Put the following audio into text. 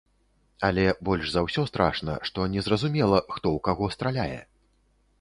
Але больш за ўсё страшна, што незразумела, хто ў каго страляе.